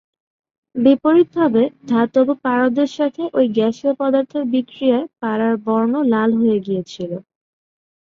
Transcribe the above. বিপরীতভাবে ধাতব পারদের সাথে ঐ গ্যাসীয় পদার্থের বিক্রিয়ায় পারার বর্ণ লাল হয়ে গিয়েছিলো।